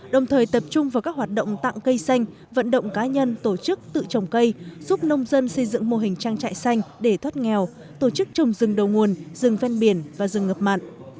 đồng thời tập trung vào các hoạt động tặng cây xanh vận động cá nhân tổ chức tự trồng cây giúp nông dân xây dựng mô hình trang trại xanh để thoát nghèo tổ chức trồng rừng đầu nguồn rừng ven biển và rừng ngập mặn